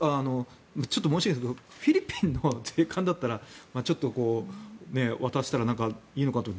申し訳ないですがフィリピンの税関だったらちょっと渡したらいいのかとか。